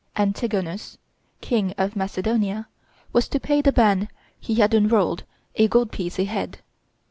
Antigonus, King of Macedonia, was to pay the band he had enrolled a gold piece a head.